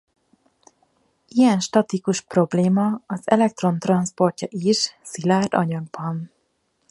Ilyen statisztikus probléma az elektron transzportja is szilárd anyagban.